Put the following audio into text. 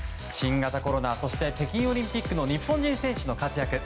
新型コロナそして北京オリンピックの日本人選手の活躍。